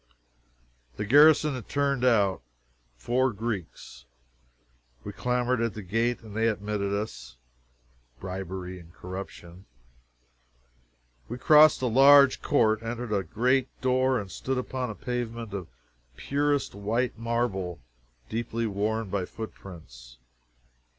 The garrison had turned out four Greeks. We clamored at the gate, and they admitted us. [Bribery and corruption.] We crossed a large court, entered a great door, and stood upon a pavement of purest white marble, deeply worn by footprints.